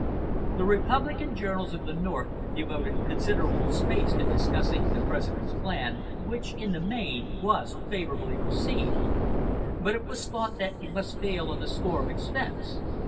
The Republican journals of the North devoted considerable space to discussing the President's plan, which, in the main, was favorably received; but it was thought that it must fail on the score of expense.